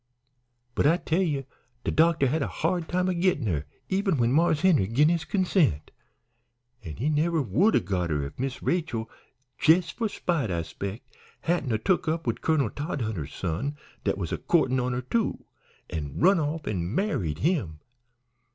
"But I tell ye de doctor had a hard time a gittin' her even when Marse Henry gin his consent. An' he never would 'a' got her if Miss Rachel, jes' for spite, I spec', hadn't 'a' took up wid Colonel Todhunter's son dat was a co'rtin' on her too, an' run off an' married him.